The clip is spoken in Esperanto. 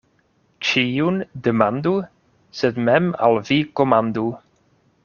Ĉiun demandu, sed mem al vi komandu.